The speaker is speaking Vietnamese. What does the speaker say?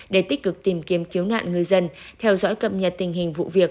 để tích cực tìm kiếm cứu nạn ngư dân theo dõi cập nhật tình hình vụ việc